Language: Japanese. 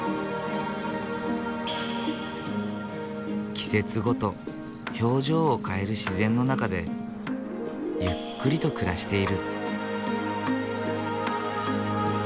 季節ごと表情を変える自然の中でゆっくりと暮らしている。